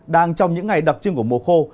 đang trong những ngày đặc trưng của mùa khô